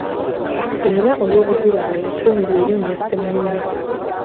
Era olw’obuzira bwe yatuumibwa erinnya Ssemunywa.